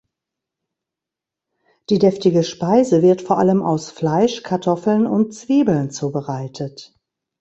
Die deftige Speise wird vor allem aus Fleisch, Kartoffeln und Zwiebeln zubereitet.